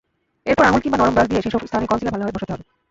এরপর আঙুল কিংবা নরম ব্রাশ দিয়ে সেসব স্থানে কনসিলার ভালোভাবে বসাতে হবে।